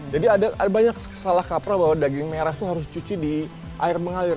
jadi ada banyak kesalah kapra bahwa daging merah itu harus cuci di air mengalir